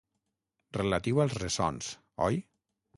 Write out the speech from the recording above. Relatiu als ressons, oi?